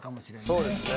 そうですね。